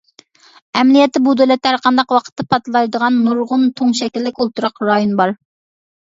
ئەمەلىيەتتە بۇ دۆلەتتە ھەر قانداق ۋاقىتتا پارتلايدىغان نۇرغۇن تۇڭ شەكىللىك ئولتۇراق رايون بار.